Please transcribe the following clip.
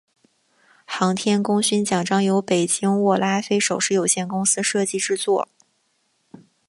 航天功勋奖章由北京握拉菲首饰有限公司设计制作。